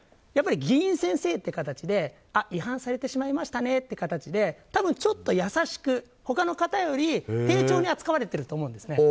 やっぱり議員先生という形で違反されてしまいましたねって多分、ちょっと優しく他の方より丁重に扱われていると思うんです。